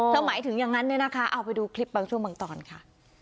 หมายถึงอย่างนั้นเนี่ยนะคะเอาไปดูคลิปบางช่วงบางตอนค่ะ